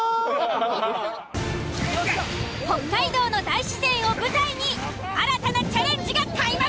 北海道の大自然を舞台に新たなチャレンジが開幕！